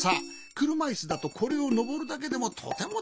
くるまいすだとこれをのぼるだけでもとてもたいへんなんじゃぞ。